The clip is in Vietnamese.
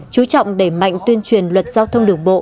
chú trọng đẩy mạnh tuyên truyền luật giao thông đường bộ